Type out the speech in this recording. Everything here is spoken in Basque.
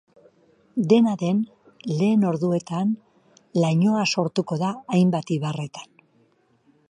Dena den, lehen orduetan, lainoa sortuko da hainbat ibarretan.